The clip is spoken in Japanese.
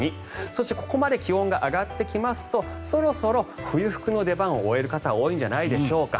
そして、ここまで気温が上がってきますとそろそろ冬服の出番を終える方が多いんじゃないでしょうか。